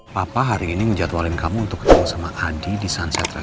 papa hari ini ngejadwalin kamu untuk ketemu sama adi di sunset ren